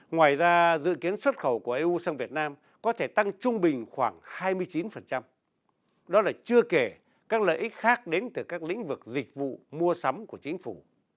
ngoài ra dự kiến xuất khẩu của eu sang việt nam có thể tăng trung bình khoảng hai mươi chín đó là chưa kể các lợi ích khác đến từ các lĩnh vực dịch vụ mua sắm của chính phủ